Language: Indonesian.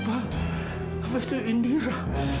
apa itu indira